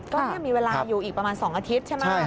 ก็นี่มีเวลาอยู่อีกประมาณ๒อาทิตย์ใช่ไหม